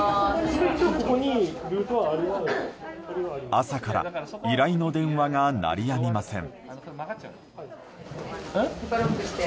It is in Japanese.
朝から依頼の電話が鳴りやみません。